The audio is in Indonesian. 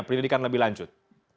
perhidupan lebih lanjut